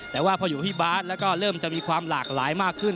แต่ว่าพออยู่ที่บาร์ทนะคะเครื่องการดันแล้วเริ่มจะมีความหลากหลายมากขึ้น